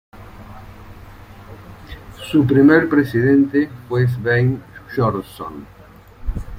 Su primer presidente fue Sveinn Björnsson.